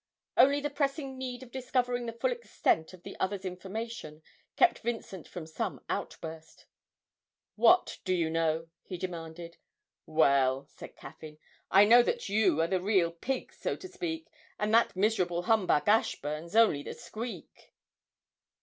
Only the pressing need of discovering the full extent of the other's information kept Vincent from some outburst. 'What do you know?' he demanded. 'Well,' said Caffyn, 'I know that you are the real pig, so to speak, and that miserable humbug Ashburn's only the squeak.'